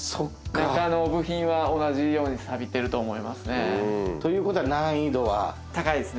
中の部品は同じようにサビてると思いますね。ということは難易度は？